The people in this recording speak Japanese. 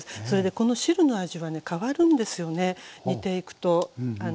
それでこの汁の味はね変わるんですよね煮ていくと。